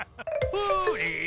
ほれ。